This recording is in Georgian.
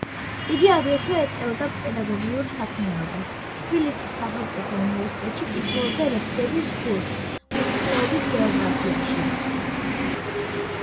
იგი აგრეთვე ეწეოდა პედაგოგიურ საქმიანობას: თბილისის სახელმწიფო უნივერსიტეტში კითხულობდა ლექციების კურს მოსახლეობის გეოგრაფიაში.